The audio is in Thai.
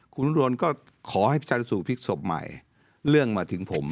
คุณนกพะดนก็ขอให้ชันสูตรวิสุทธิ์สบใหม่เรื่องมาถึงผม